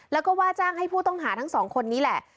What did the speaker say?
แล้วก็ว่าจ้างให้ผู้ต้องหาทั้งสองคนนี้แหละ